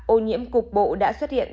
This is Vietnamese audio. ô nhiễm cục bộ đã xuất hiện